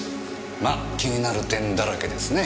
ま気になる点だらけですね。